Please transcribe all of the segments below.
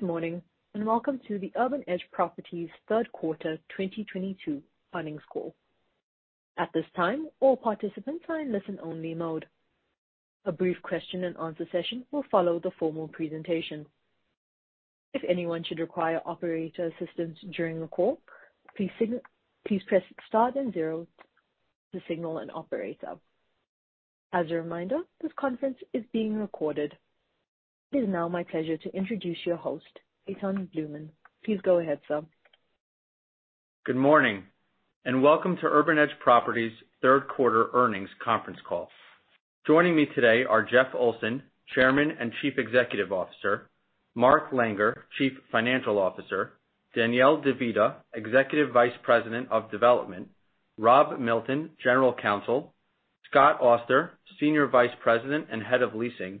Good morning, and welcome to the Urban Edge Properties third quarter 2022 earnings call. At this time, all participants are in listen-only mode. A brief question-and-answer session will follow the formal presentation. If anyone should require operator assistance during the call, please press star then zero to signal an operator. As a reminder, this conference is being recorded. It is now my pleasure to introduce your host, Etan Bluman. Please go ahead, sir. Good morning, and welcome to Urban Edge Properties third quarter earnings conference call. Joining me today are Jeff Olson, Chairman and Chief Executive Officer, Mark Langer, Chief Financial Officer, Danielle De Vita, Executive Vice President of Development, Rob Milton, General Counsel, Scott Auster, Senior Vice President and Head of Leasing, and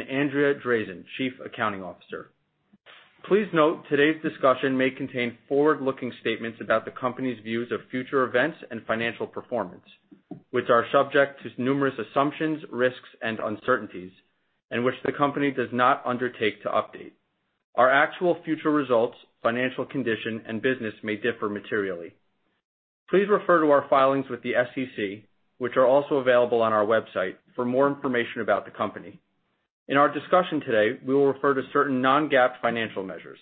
Andrea Drazin, Chief Accounting Officer. Please note, today's discussion may contain forward-looking statements about the company's views of future events and financial performance, which are subject to numerous assumptions, risks and uncertainties, and which the company does not undertake to update. Our actual future results, financial condition and business may differ materially. Please refer to our filings with the SEC, which are also available on our website for more information about the company. In our discussion today, we will refer to certain non-GAAP financial measures.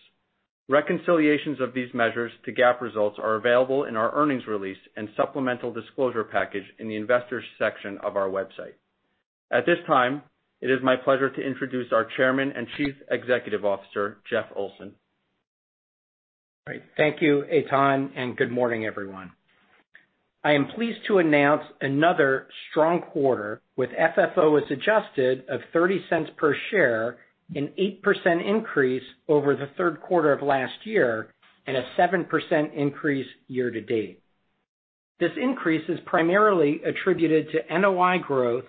Reconciliations of these measures to GAAP results are available in our earnings release and supplemental disclosure package in the Investors section of our website. At this time, it is my pleasure to introduce our Chairman and Chief Executive Officer, Jeff Olson. All right, thank you, Etan, and good morning, everyone. I am pleased to announce another strong quarter with FFO as adjusted of $0.30 per share, an 8% increase over the third quarter of last year, and a 7% increase year to date. This increase is primarily attributed to NOI growth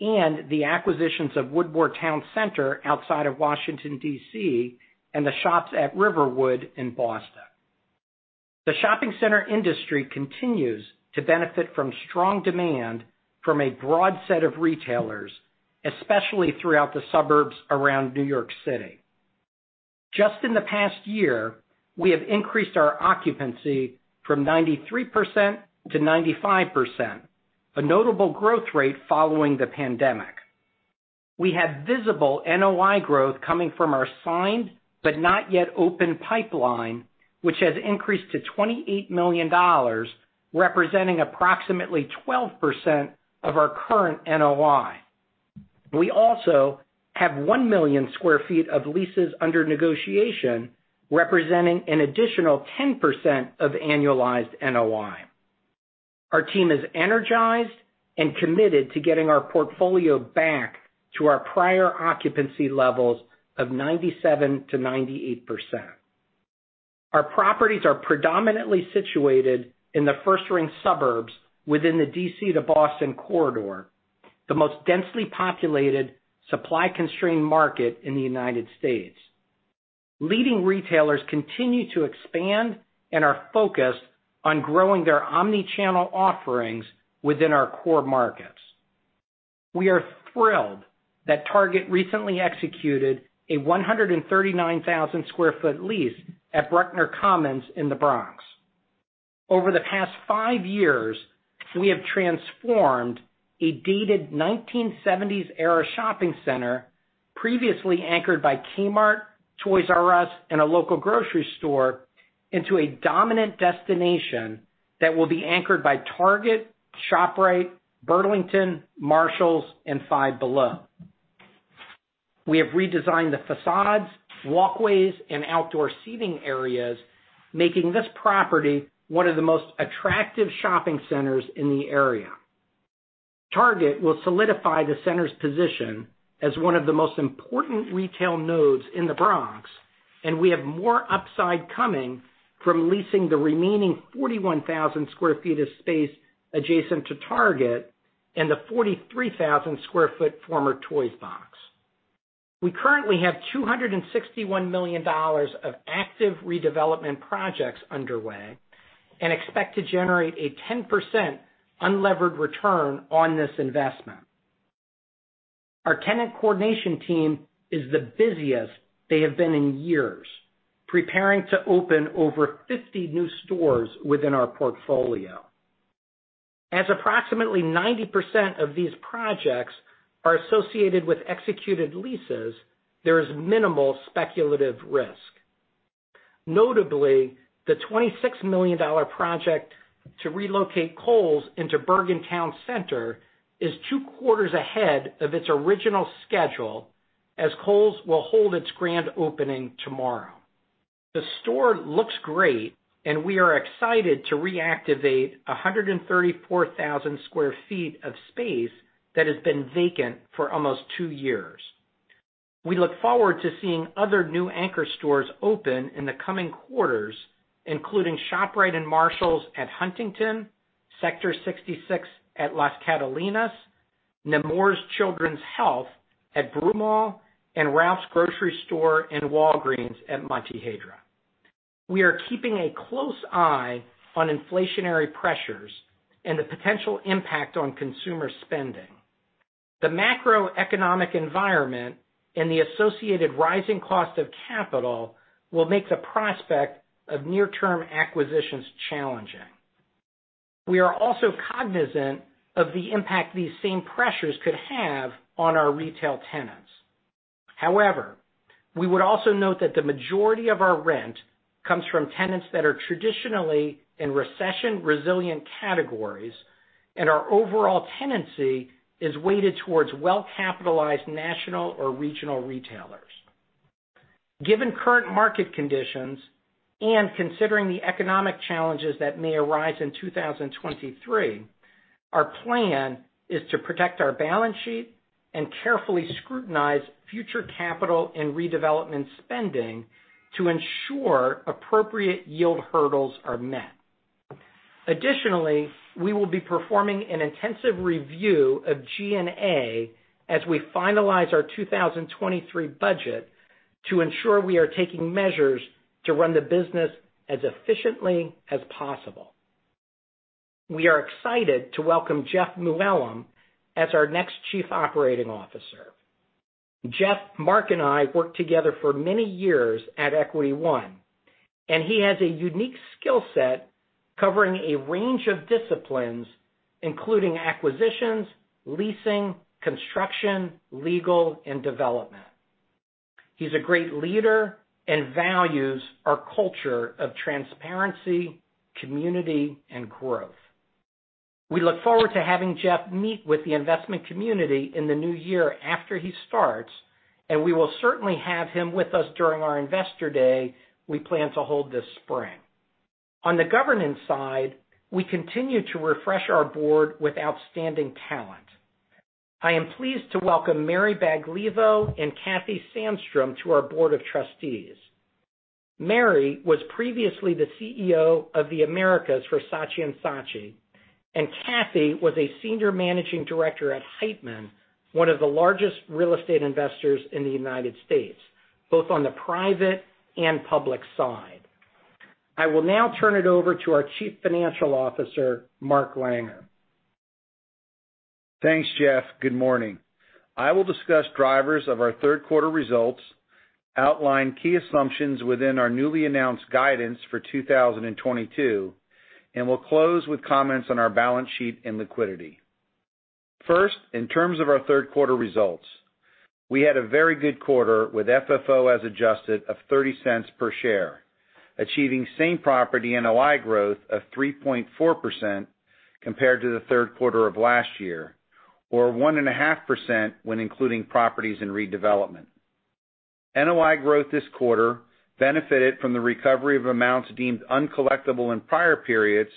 and the acquisitions of Woodmore Towne Centre outside of Washington, D.C., and The Shops at Riverwood in Boston. The shopping center industry continues to benefit from strong demand from a broad set of retailers, especially throughout the suburbs around New York City. Just in the past year, we have increased our occupancy from 93%-95%, a notable growth rate following the pandemic. We have visible NOI growth coming from our signed but not yet open pipeline, which has increased to $28 million, representing approximately 12% of our current NOI. We also have 1 million sq ft of leases under negotiation, representing an additional 10% of annualized NOI. Our team is energized and committed to getting our portfolio back to our prior occupancy levels of 97%-98%. Our properties are predominantly situated in the first-ring suburbs within the DC to Boston corridor, the most densely populated, supply-constrained market in the United States. Leading retailers continue to expand and are focused on growing their omni-channel offerings within our core markets. We are thrilled that Target recently executed a 139,000 sq ft lease at Bruckner Commons in the Bronx. Over the past five years, we have transformed a dated 1970s era shopping center previously anchored by Kmart, Toys R Us and a local grocery store into a dominant destination that will be anchored by Target, ShopRite, Burlington, Marshalls, and Five Below. We have redesigned the facades, walkways, and outdoor seating areas, making this property one of the most attractive shopping centers in the area. Target will solidify the center's position as one of the most important retail nodes in the Bronx, and we have more upside coming from leasing the remaining 41,000 sq ft of space adjacent to Target and the 43,000 sq ft former Toys R Us box. We currently have $261 million of active redevelopment projects underway and expect to generate a 10% unlevered return on this investment. Our tenant coordination team is the busiest they have been in years, preparing to open over 50 new stores within our portfolio. Approximately 90% of these projects are associated with executed leases, there is minimal speculative risk. Notably, the $26 million project to relocate Kohl's into Bergen Town Center is two quarters ahead of its original schedule, as Kohl's will hold its grand opening tomorrow. The store looks great and we are excited to reactivate 134,000 sq ft of space that has been vacant for almost two years. We look forward to seeing other new anchor stores open in the coming quarters, including ShopRite and Marshalls at Huntington, Sector Sixty6 at Las Catalinas, Nemours Children's Health at Broomall, and Ralph's Grocery Store and Walgreens at Montehiedra. We are keeping a close eye on inflationary pressures and the potential impact on consumer spending. The macroeconomic environment and the associated rising cost of capital will make the prospect of near-term acquisitions challenging. We are also cognizant of the impact these same pressures could have on our retail tenants. However, we would also note that the majority of our rent comes from tenants that are traditionally in recession-resilient categories, and our overall tenancy is weighted towards well-capitalized national or regional retailers. Given current market conditions, and considering the economic challenges that may arise in 2023, our plan is to protect our balance sheet and carefully scrutinize future capital and redevelopment spending to ensure appropriate yield hurdles are met. Additionally, we will be performing an intensive review of G&A as we finalize our 2023 budget to ensure we are taking measures to run the business as efficiently as possible. We are excited to welcome Jeff Mooallem as our next Chief Operating Officer. Jeff, Mark, and I worked together for many years at Equity One, and he has a unique skill set covering a range of disciplines, including acquisitions, leasing, construction, legal, and development. He's a great leader and values our culture of transparency, community, and growth. We look forward to having Jeff meet with the investment community in the new year after he starts, and we will certainly have him with us during our Investor Day we plan to hold this spring. On the governance side, we continue to refresh our board with outstanding talent. I am pleased to welcome Mary Baglivo and Kathy Sandstrom to our board of trustees. Mary was previously the CEO of the Americas for Saatchi & Saatchi, and Kathy was a senior managing director at Heitman, one of the largest real estate investors in the United States, both on the private and public side. I will now turn it over to our Chief Financial Officer, Mark Langer. Thanks, Jeff. Good morning. I will discuss drivers of our third quarter results, outline key assumptions within our newly announced guidance for 2022, and will close with comments on our balance sheet and liquidity. First, in terms of our third quarter results, we had a very good quarter with FFO as adjusted of $0.30 per share, achieving same property NOI growth of 3.4% compared to the third quarter of last year, or 1.5% when including properties in redevelopment. NOI growth this quarter benefited from the recovery of amounts deemed uncollectible in prior periods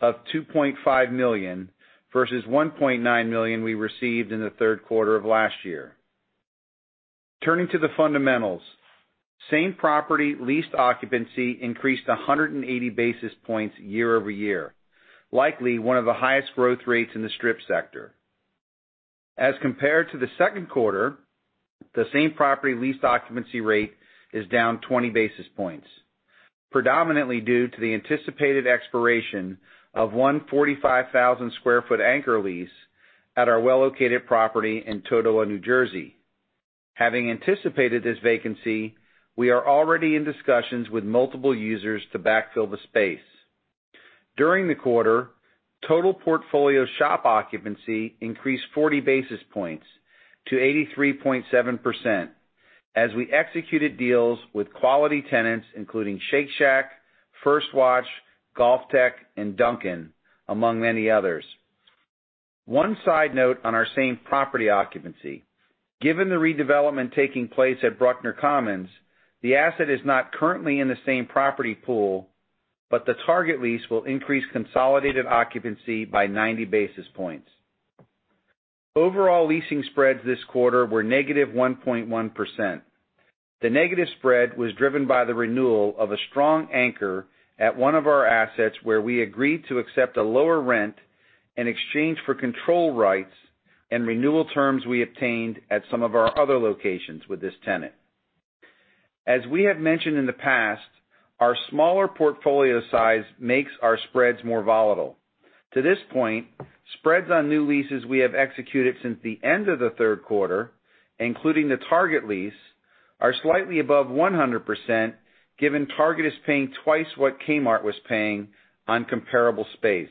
of $2.5 million, versus $1.9 million we received in the third quarter of last year. Turning to the fundamentals, same property leased occupancy increased 180 basis points year-over-year, likely one of the highest growth rates in the strip sector. As compared to the second quarter, the same property leased occupancy rate is down 20 basis points, predominantly due to the anticipated expiration of one 145,000 sq ft anchor lease at our well-located property in Totowa, New Jersey. Having anticipated this vacancy, we are already in discussions with multiple users to backfill the space. During the quarter, total portfolio shop occupancy increased 40 basis points to 83.7% as we executed deals with quality tenants, including Shake Shack, First Watch, GOLFTEC, and Dunkin, among many others. One side note on our same property occupancy. Given the redevelopment taking place at Bruckner Commons, the asset is not currently in the same property pool, but the Target lease will increase consolidated occupancy by 90 basis points. Overall leasing spreads this quarter were -1.1%. The negative spread was driven by the renewal of a strong anchor at one of our assets where we agreed to accept a lower rent in exchange for control rights and renewal terms we obtained at some of our other locations with this tenant. As we have mentioned in the past, our smaller portfolio size makes our spreads more volatile. To this point, spreads on new leases we have executed since the end of the third quarter, including the Target lease, are slightly above 100%, given Target is paying twice what Kmart was paying on comparable space.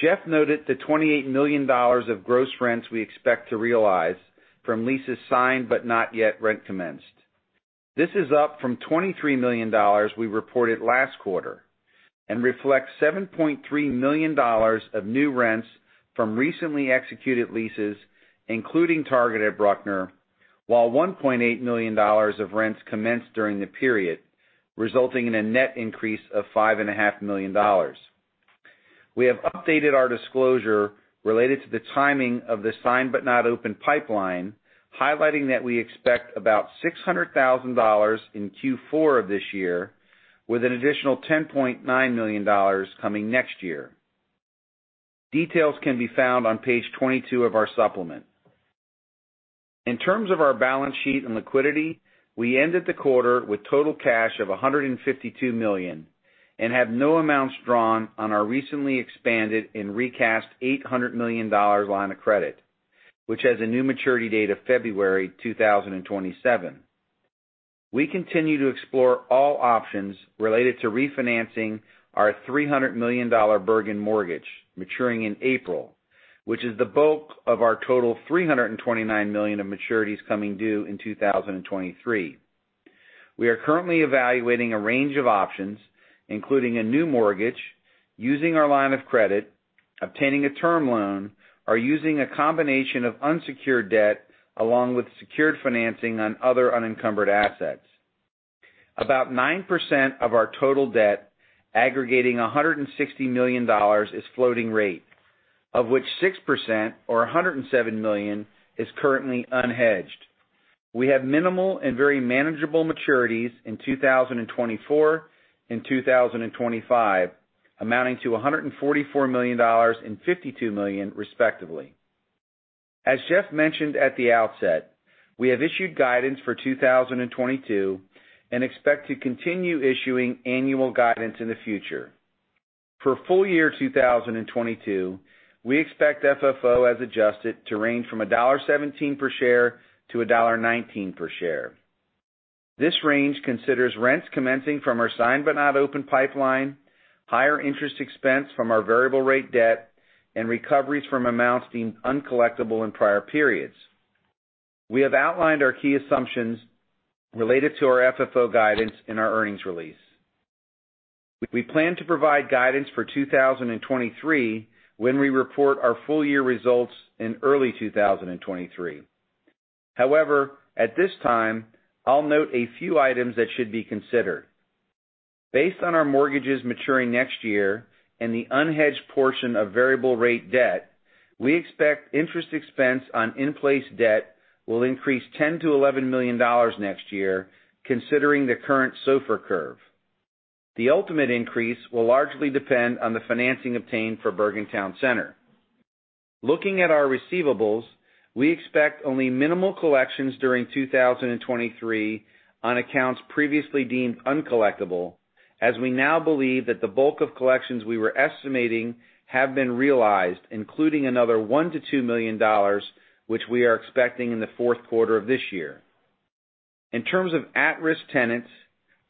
Jeff noted the $28 million of gross rents we expect to realize from leases signed but not yet rent commenced. This is up from $23 million we reported last quarter and reflects $7.3 million of new rents from recently executed leases, including Target at Bruckner, while $1.8 million of rents commenced during the period, resulting in a net increase of $5.5 million. We have updated our disclosure related to the timing of the signed but not open pipeline, highlighting that we expect about $600,000 in Q4 of this year with an additional $10.9 million coming next year. Details can be found on page 22 of our supplement. In terms of our balance sheet and liquidity, we ended the quarter with total cash of $152 million and have no amounts drawn on our recently expanded and recast $800 million line of credit, which has a new maturity date of February 2027. We continue to explore all options related to refinancing our $300 million Bergen mortgage maturing in April, which is the bulk of our total $329 million of maturities coming due in 2023. We are currently evaluating a range of options, including a new mortgage using our line of credit, obtaining a term loan, or using a combination of unsecured debt along with secured financing on other unencumbered assets. About 9% of our total debt aggregating $160 million is floating rate, of which 6% or $107 million is currently unhedged. We have minimal and very manageable maturities in 2024 and 2025, amounting to $144 million and $52 million, respectively. As Jeff mentioned at the outset, we have issued guidance for 2022 and expect to continue issuing annual guidance in the future. For full year 2022, we expect FFO as adjusted to range from $1.17 per share to $1.19 per share. This range considers rents commencing from our signed but not open pipeline, higher interest expense from our variable rate debt, and recoveries from amounts deemed uncollectible in prior periods. We have outlined our key assumptions related to our FFO guidance in our earnings release. We plan to provide guidance for 2023 when we report our full year results in early 2023. However, at this time, I'll note a few items that should be considered. Based on our mortgages maturing next year and the unhedged portion of variable rate debt, we expect interest expense on in-place debt will increase $10-$11 million next year, considering the current SOFR curve. The ultimate increase will largely depend on the financing obtained for Bergen Town Center. Looking at our receivables, we expect only minimal collections during 2023 on accounts previously deemed uncollectible, as we now believe that the bulk of collections we were estimating have been realized, including another $1 million-$2 million, which we are expecting in the fourth quarter of this year. In terms of at-risk tenants,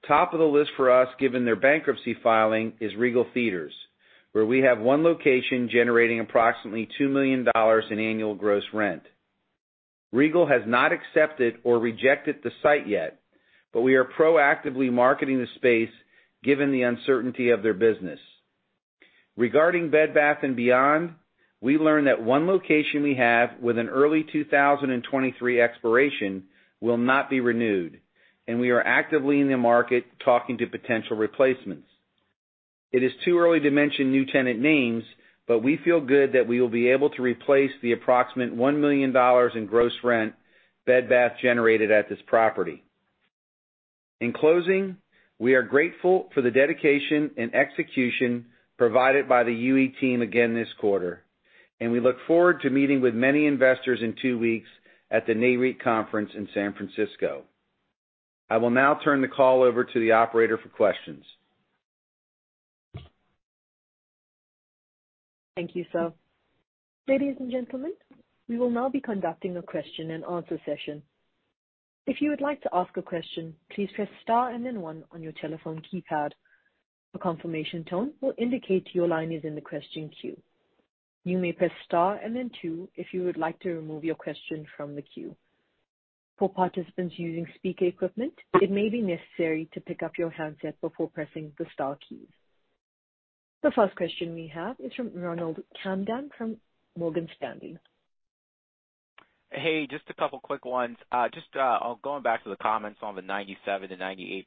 top of the list for us given their bankruptcy filing is Regal Cinemas, where we have one location generating approximately $2 million in annual gross rent. Regal Cinemas has not accepted or rejected the site yet, but we are proactively marketing the space given the uncertainty of their business. Regarding Bed Bath & Beyond, we learned that one location we have with an early 2023 expiration will not be renewed, and we are actively in the market talking to potential replacements. It is too early to mention new tenant names, but we feel good that we will be able to replace the approximate $1 million in gross rent Bed Bath & Beyond generated at this property. In closing, we are grateful for the dedication and execution provided by the UE team again this quarter, and we look forward to meeting with many investors in two weeks at the Nareit Conference in San Francisco. I will now turn the call over to the operator for questions. Thank you, sir. Ladies and gentlemen, we will now be conducting a question and answer session. If you would like to ask a question, please press star and then one on your telephone keypad. A confirmation tone will indicate your line is in the question queue. You may press star and then two if you would like to remove your question from the queue. For participants using speaker equipment, it may be necessary to pick up your handset before pressing the star keys. The first question we have is from Ronald Kamdem from Morgan Stanley. Hey, just a couple of quick ones. Just going back to the comments on the 97%-98%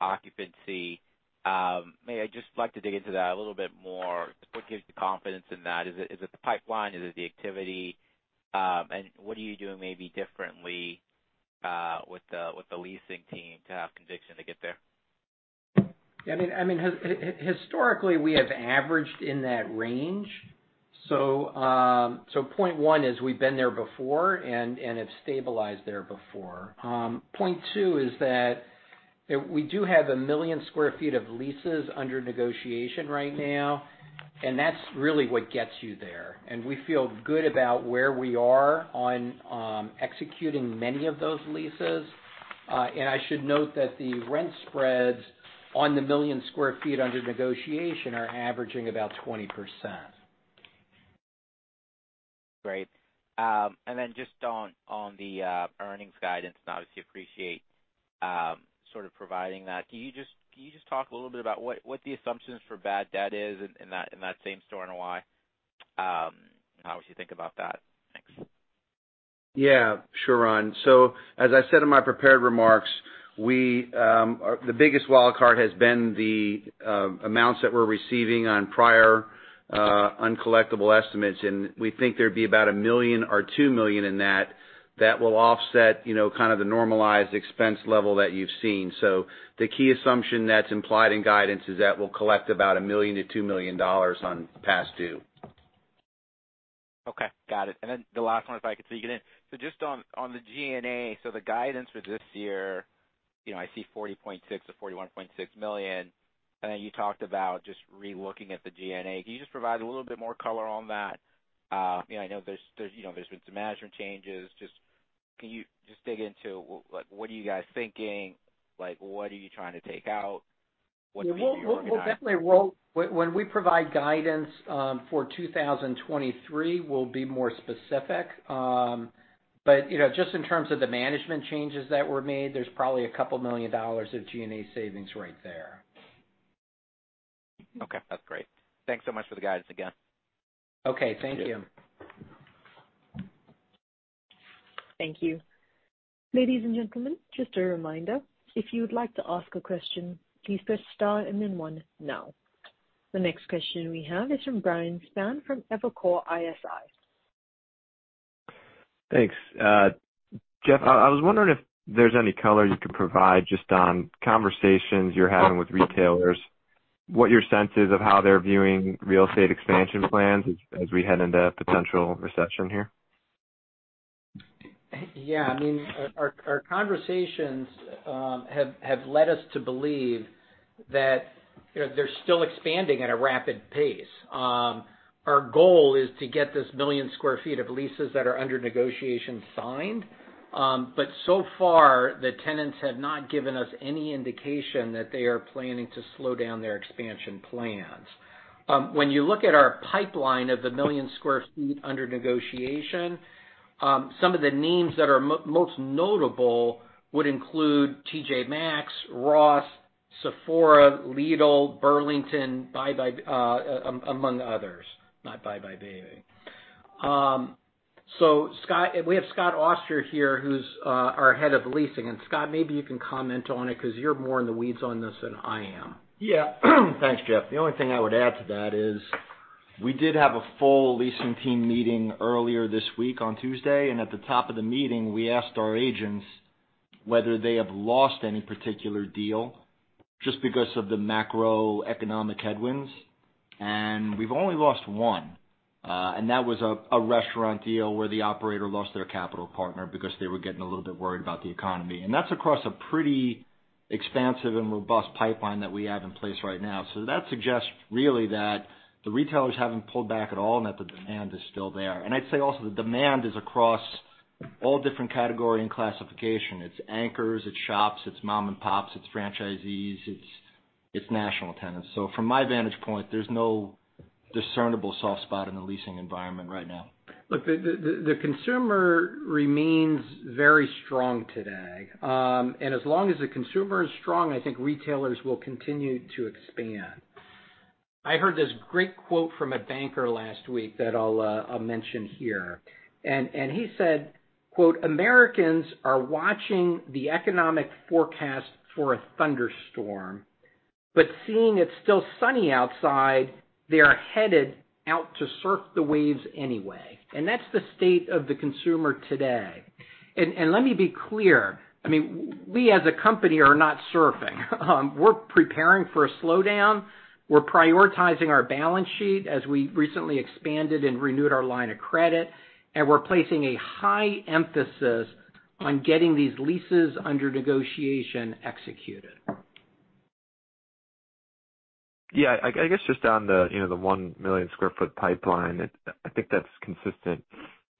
occupancy. May I just like to dig into that a little bit more. What gives you confidence in that? Is it the pipeline? Is it the activity? And what are you doing maybe differently with the leasing team to have conviction to get there? I mean, historically, we have averaged in that range. Point one is we've been there before and have stabilized there before. Point two is that we do have 1 million sq ft of leases under negotiation right now, and that's really what gets you there. We feel good about where we are on executing many of those leases. I should note that the rent spreads on the 1 million sq ft under negotiation are averaging about 20%. Great. Just on the earnings guidance, and obviously appreciate sort of providing that. Can you just talk a little bit about what the assumptions for bad debt is in that same store and why, and how would you think about that? Thanks. Yeah, sure, Ron. As I said in my prepared remarks, the biggest wildcard has been the amounts that we're receiving on prior uncollectible estimates. We think there'd be about $1 million or $2 million in that that will offset, you know, kind of the normalized expense level that you've seen. The key assumption that's implied in guidance is that we'll collect about $1 million-$2 million on past due. Okay. Got it. The last one, if I could squeeze it in. Just on the G&A, the guidance for this year, you know, I see $40.6 million-$41.6 million. I know you talked about just relooking at the G&A. Can you just provide a little bit more color on that? Yeah, I know there's, you know, there's been some management changes. Can you just dig into what are you guys thinking? Like, what are you trying to take out? What maybe you're recognizing. Well, we'll definitely when we provide guidance for 2023, we'll be more specific. You know, just in terms of the management changes that were made, there's probably $2 million of G&A savings right there. Okay, that's great. Thanks so much for the guidance again. Okay. Thank you. Thank you. Thank you. Ladies and gentlemen, just a reminder, if you would like to ask a question, please press star and then one now. The next question we have is from Brian Spahn from Evercore ISI. Thanks. Jeff, I was wondering if there's any color you could provide just on conversations you're having with retailers, what your sense is of how they're viewing real estate expansion plans as we head into a potential recession here. Yeah. I mean, our conversations have led us to believe that, you know, they're still expanding at a rapid pace. Our goal is to get this 1 million sq ft of leases that are under negotiation signed. So far the tenants have not given us any indication that they are planning to slow down their expansion plans. When you look at our pipeline of the 1 million sq ft under negotiation, some of the names that are most notable would include TJ Maxx, Ross, Sephora, Lidl, Burlington, Buybuy BABY, among others. Scott, we have Scott Auster here who's our head of leasing. Scott, maybe you can comment on it 'cause you're more in the weeds on this than I am. Yeah. Thanks, Jeff. The only thing I would add to that is we did have a full leasing team meeting earlier this week on Tuesday, and at the top of the meeting, we asked our agents whether they have lost any particular deal just because of the macroeconomic headwinds. We've only lost one, and that was a restaurant deal where the operator lost their capital partner because they were getting a little bit worried about the economy. That's across a pretty expansive and robust pipeline that we have in place right now. That suggests really that the retailers haven't pulled back at all and that the demand is still there. I'd say also the demand is across all different category and classification. It's anchors, it's shops, it's mom and pops, it's franchisees, it's national tenants. From my vantage point, there's no discernible soft spot in the leasing environment right now. Look, the consumer remains very strong today. As long as the consumer is strong, I think retailers will continue to expand. I heard this great quote from a banker last week that I'll mention here. He said, quote, "Americans are watching the economic forecast for a thunderstorm, but seeing it's still sunny outside, they are headed out to surf the waves anyway." That's the state of the consumer today. Let me be clear, I mean, we as a company are not surfing. We're preparing for a slowdown. We're prioritizing our balance sheet as we recently expanded and renewed our line of credit, and we're placing a high emphasis on getting these leases under negotiation executed. Yeah, I guess just on the, you know, the 1 million sq ft pipeline, I think that's consistent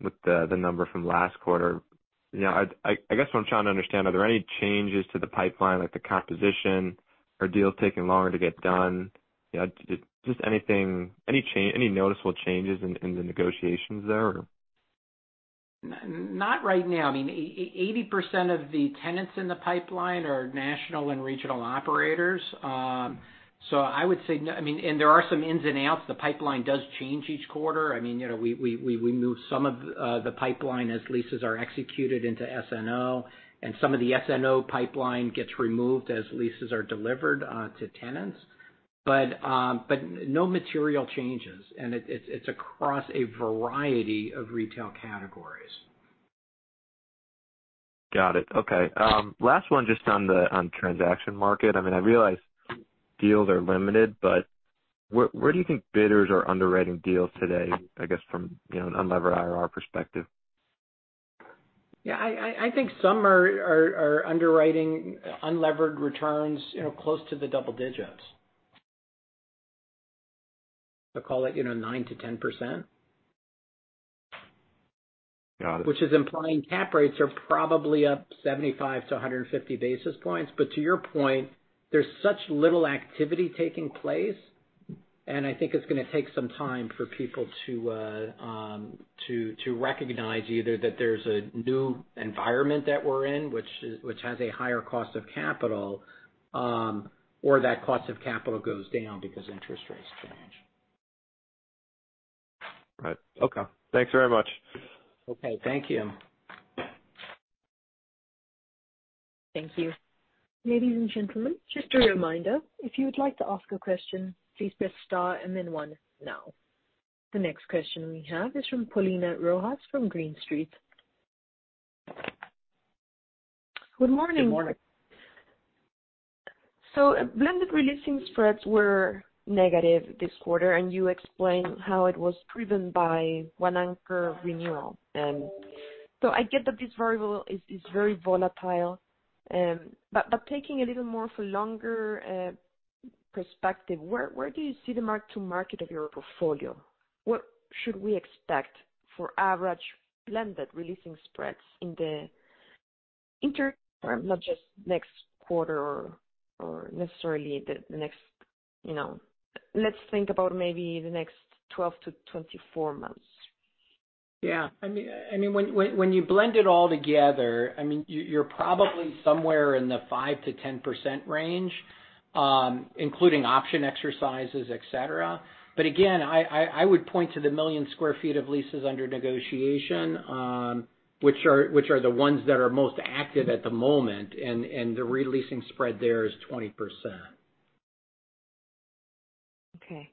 with the number from last quarter. You know, I guess what I'm trying to understand, are there any changes to the pipeline like the composition or deals taking longer to get done? You know, just anything, any noticeable changes in the negotiations there or? Not right now. I mean, 80% of the tenants in the pipeline are national and regional operators. So I would say, I mean, and there are some ins and outs. The pipeline does change each quarter. I mean, you know, we move some of the pipeline as leases are executed into SNO, and some of the SNO pipeline gets removed as leases are delivered to tenants. But no material changes. It’s across a variety of retail categories. Got it. Okay. Last one just on the transaction market. I mean, I realize deals are limited, but where do you think bidders are underwriting deals today, I guess from, you know, an unlevered IRR perspective? Yeah. I think some are underwriting unlevered returns, you know, close to the double digits. I'll call it, you know, 9%-10%. Got it. Which is implying cap rates are probably up 75-150 basis points. To your point, there's such little activity taking place, and I think it's gonna take some time for people to recognize either that there's a new environment that we're in which has a higher cost of capital, or that cost of capital goes down because interest rates change. Right. Okay. Thanks very much. Okay. Thank you. Thank you. Ladies and gentlemen, just a reminder, if you would like to ask a question, please press star and then one now. The next question we have is from Paulina Rojas from Green Street. Good morning. Good morning. Blended releasing spreads were negative this quarter, and you explained how it was driven by one anchor renewal. I get that this variable is very volatile. But taking a little more of a longer perspective, where do you see the mark to market of your portfolio? What should we expect for average blended releasing spreads in the interim, not just next quarter or necessarily the next, you know. Let's think about maybe the next 12-24 months. Yeah. I mean, when you blend it all together, I mean, you're probably somewhere in the 5%-10% range, including option exercises, et cetera. Again, I would point to the 1 million sq ft of leases under negotiation, which are the ones that are most active at the moment, and the re-leasing spread there is 20%. Okay.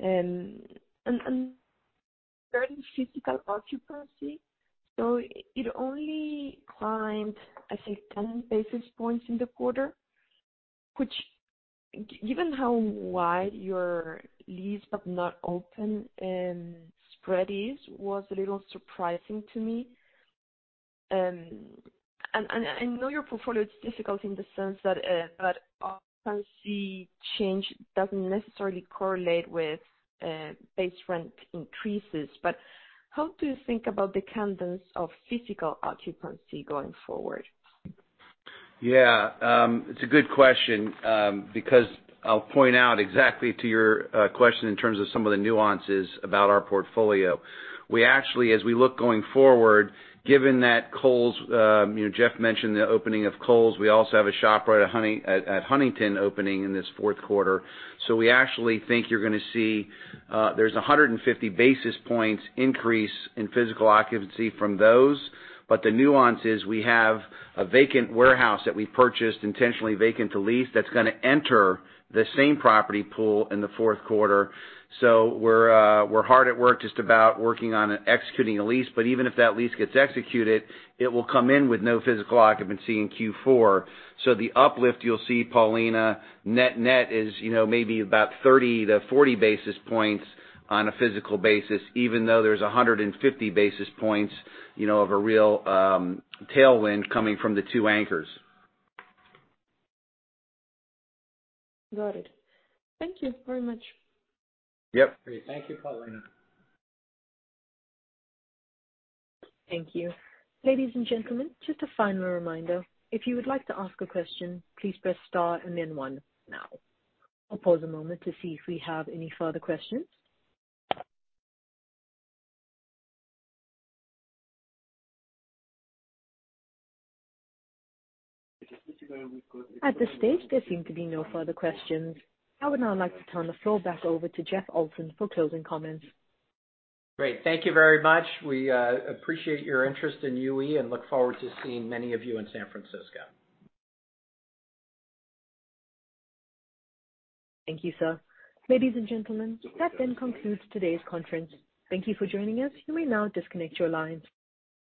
Starting physical occupancy. It only climbed, I think, 10 basis points in the quarter, which given how wide your leased but not open spread is, was a little surprising to me. I know your portfolio is difficult in the sense that that occupancy change doesn't necessarily correlate with base rent increases. How do you think about the canvas of physical occupancy going forward? Yeah, it's a good question, because I'll point out exactly to your question in terms of some of the nuances about our portfolio. We actually as we look going forward, given that Kohl's, you know, Jeff mentioned the opening of Kohl's, we also have a ShopRite at Huntington opening in this fourth quarter. We actually think you're gonna see, there's 150 basis points increase in physical occupancy from those. The nuance is we have a vacant warehouse that we purchased intentionally vacant to lease that's gonna enter the same property pool in the fourth quarter. We're hard at work just about working on executing a lease, but even if that lease gets executed, it will come in with no physical occupancy in Q4. The uplift you'll see, Paulina, net-net is, you know, maybe about 30-40 basis points on a physical basis, even though there's 150 basis points, you know, of a real tailwind coming from the two anchors. Got it. Thank you very much. Yep. Great. Thank you, Paulina. Thank you. Ladies and gentlemen, just a final reminder. If you would like to ask a question, please press star and then one now. I'll pause a moment to see if we have any further questions. At this stage, there seem to be no further questions. I would now like to turn the floor back over to Jeff Olson for closing comments. Great. Thank you very much. We appreciate your interest in UE and look forward to seeing many of you in San Francisco. Thank you, sir. Ladies and gentlemen, that concludes today's conference. Thank you for joining us. You may now disconnect your lines.